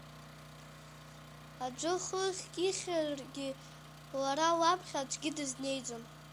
Аӡәы хыхьк ихьыргьы лара лаԥхьа аӡәгьы дызнеиӡом.